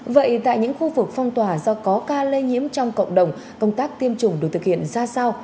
vậy tại những khu vực phong tỏa do có ca lây nhiễm trong cộng đồng công tác tiêm chủng được thực hiện ra sao